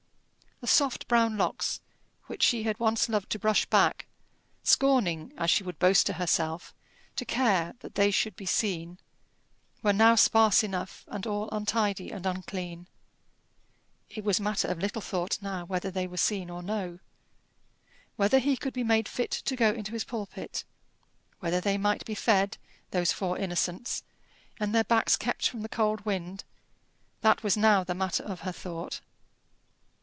The soft brown locks which she had once loved to brush back, scorning, as she would boast to herself, to care that they should be seen, were now sparse enough and all untidy and unclean. It was matter of little thought now whether they were seen or no. Whether he could be made fit to go into his pulpit whether they might be fed those four innocents and their backs kept from the cold wind that was now the matter of her thought.